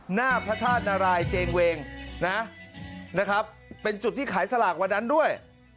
หน้าพระธาตุนารายเจงเวงนะครับเป็นจุดที่ขายสลากวันนั้นด้วย